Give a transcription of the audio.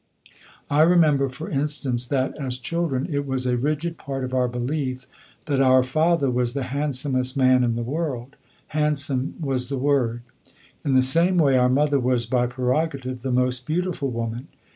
I remember, for instance, that, as children, it was a rigid part of our belief that our father was the handsomest man in the world handsome was the word. In the same way our mother was by prerogative the most beautiful woman.